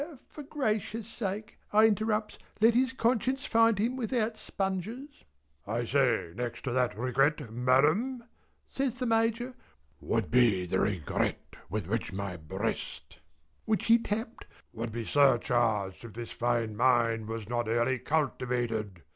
For Gracious' sake," I interrupts, "let his conscience find him without sponges." " I say next to that regret, Madam," says the Major "would be the regret with which my breast," which he tapped, "would be surcharged if this fine mind was not early cultivated.